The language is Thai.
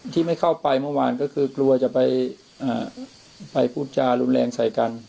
ที่ไม่เข้าไปเมื่อวานก็คือกลัวจะไปพูดจารุนแรงใส่กัน